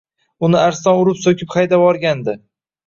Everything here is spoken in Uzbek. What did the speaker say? Uni Arslon urib-so‘kib haydavorgandi.